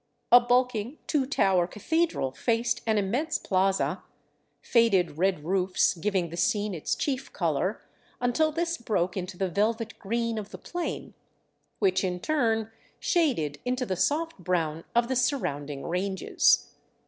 A bulking, two tower cathedral faced an immense plaza, faded red roofs giving the scene its chief color, until this broke into the velvet green of the plain, which in turn shaded into the soft brown of the surrounding ranges.